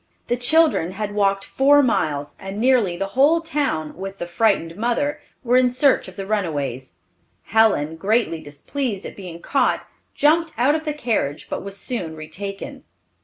The children had walked four miles, and nearly the whole town, with the frightened mother, were in search of the runaways. Helen, greatly displeased at being caught, jumped out of the carriage, but was soon retaken.